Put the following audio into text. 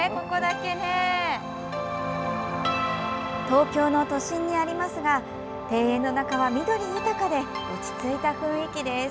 東京の都心にありますが庭園の中は緑豊かで落ち着いた雰囲気です。